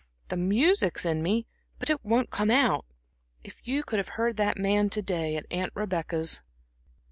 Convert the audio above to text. The music's in me, but it won't come out. If you could have heard that man to day at Aunt Rebecca's."